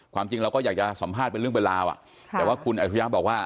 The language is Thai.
จริงเราก็อยากจะสัมภาษณ์เป็นเรื่องเป็นราวแต่ว่าคุณอัจฉริยะบอกว่า